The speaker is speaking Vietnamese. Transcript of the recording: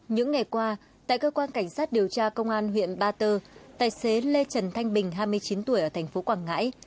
những ngày qua tại cơ quan cảnh sát điều tra công an huyện ba tơ tài xế lê trần thanh bình hai mươi chín tuổi ở thành phố quảng ngãi